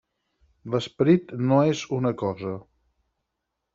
L'esperit no és una cosa.